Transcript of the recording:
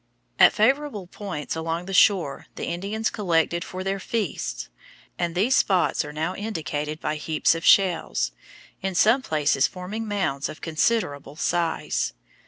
At favorable points along the shore the Indians collected for their feasts, and these spots are now indicated by heaps of shells, in some places forming mounds of considerable size.